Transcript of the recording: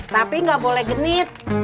tapi enggak boleh genit